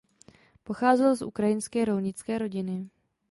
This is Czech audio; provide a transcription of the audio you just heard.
Pocházel z ukrajinské rolnické rodiny.